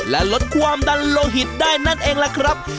และลดความดันโลหิตได้นั่นเองล่ะครับ